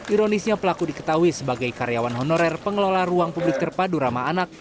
ironisnya pelaku diketahui sebagai karyawan honorer pengelola ruang publik terpadu ramah anak